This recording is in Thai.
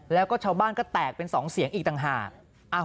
แล้วก็ชาวบ้านก็แตกเป็น๒เสียงอีกต่างหาก